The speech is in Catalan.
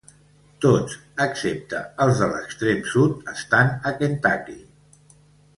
Tots excepte els de l'extrem sud estan a Kentucky.